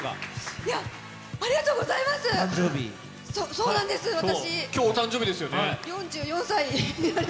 そうなんです、私。